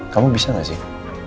kamu bisa gak sih